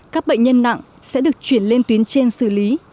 các bệnh nhân nặng sẽ được chuyển lên tuyến trên xử lý